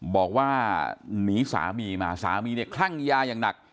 บอกว่าหนีสามีมาสามีเนี่ยคลั่งยาอย่างหนัก